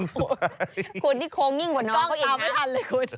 สุดท้ายคุณที่โค้งยิ่งกว่าน้องเขาอีกต้องตามไม่ทันเลยคุณ